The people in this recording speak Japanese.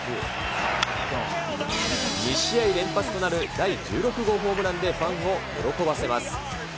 ２試合連発となる第１６号ホームランでファンを喜ばせます。